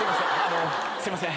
すいません